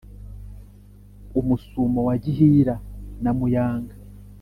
Umusumo wa Gihira na Muyanga